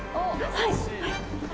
はい！